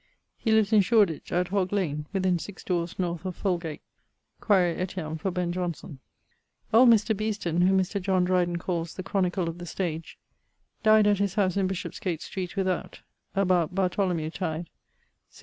He lives in Shoreditch at Hoglane within 6 dores north of Folgate. Quaere etiam for Ben Jonson. Old Mr. Beeston, whom Mr. Dreyden calles 'the chronicle of the stage,' died at his house in Bishopsgate street without, about Bartholomew tyde, 1682.